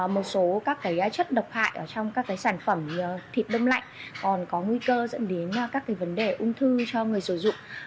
một số các cái chất độc hại ở trong các cái sản phẩm thịt đông lạnh còn có nguy cơ dẫn đến các cái vấn đề ung thư cho người sử dụng